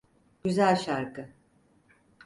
Güzel şarkı.